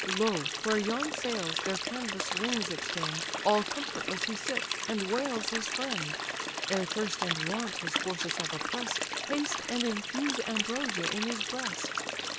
Lo, where yon sails their canvas wings extend, All comfortless he sits, and wails his friend: Ere thirst and want his forces have oppress'd, Haste and infuse ambrosia in his breast."